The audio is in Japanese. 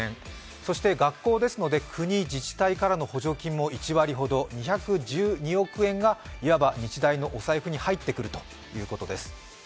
そして学校ですので国・自治体からの補助金も１割ほど、２１２億円がいわば日大のお財布に入ってくるということです。